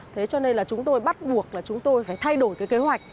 thế cho nên là chúng tôi bắt buộc là chúng tôi phải thay đổi cái kế hoạch